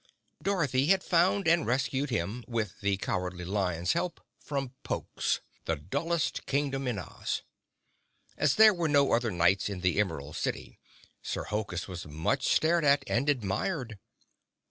Dorothy had found and rescued him, with the Cowardly Lion's help, from Pokes, the dullest Kingdom in Oz. As there were no other Knights in the Emerald City, Sir Hokus was much stared at and admired.